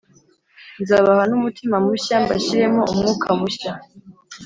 ” “Nzabaha n’umutima mushya, mbashyiremo umwuka mushya